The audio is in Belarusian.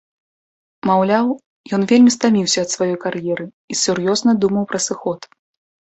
Маўляў, ён вельмі стаміўся ад сваёй кар'еры і сур'ёзна думаў пра сыход.